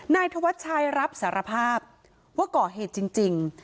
นายธวัชชัยรับสารภาพว่าก่อเหตุจริง